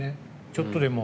ちょっとでも。